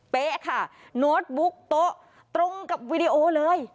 เป๊ะค่ะโน้ตบุ๊กโต๊ะตรงกับวีดีโอเลย